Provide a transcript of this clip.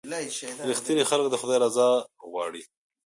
• رښتیني خلک د خدای رضا غواړي.